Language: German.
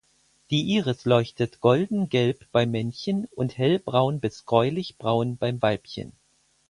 Die Iris leuchtet goldengelb bei Männchen und hellbraun bis gräulich braun beim Weibchen.